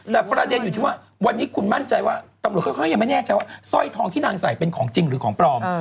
แต่ประเด็นอยู่ที่ว่าวันนี้คุณมั่นใจว่าตำรวจเขาก็ยังไม่แน่ใจว่าสร้อยทองที่นางใส่เป็นของจริงหรือของปลอม